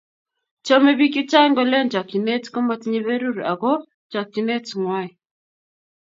Chomei bik chechang kolen chokchinet komotinye berur ako chokchinetngwai